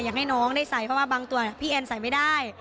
อยากให้น้องได้ใส่เพราะว่าบางตัวพี่แอนใส่ไม่ได้